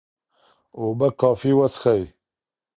اوبه کافي وڅښئ.